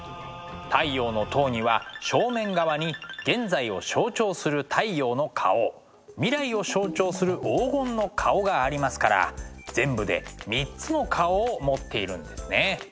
「太陽の塔」には正面側に現在を象徴する太陽の顔未来を象徴する黄金の顔がありますから全部で３つの顔を持っているんですね。